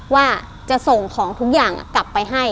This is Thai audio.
ว่าจะส่งของทุกอย่างกลับไปให้